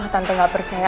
kau tak percaya